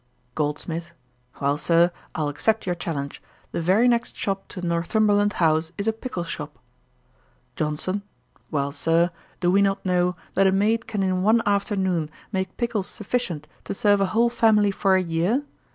GOLDSMITH. 'Well, Sir, I'll accept your challenge. The very next shop to Northumberland house is a pickle shop.' JOHNSON. 'Well, Sir: do we not know that a maid can in one afternoon make pickles sufficient to serve a whole family for a year?